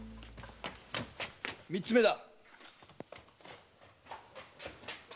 三つ目だ！